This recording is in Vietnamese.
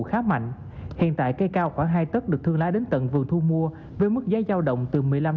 khá mạnh hiện tại cây cao khoảng hai tất được thương lá đến tận vườn thu mua với mức giá giao động từ